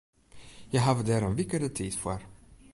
Hja hawwe dêr in wike de tiid foar.